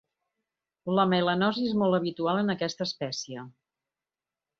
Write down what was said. La melanosi és molt habitual en aquesta espècie.